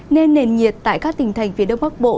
nên nền nhiệt tại các tỉnh thành phía đông bắc bộ